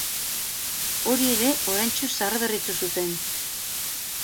Hori ere oraintsu zaharberritu zuten.